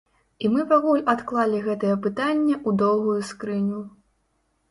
І мы пакуль адклалі гэтае пытанне ў доўгую скрыню.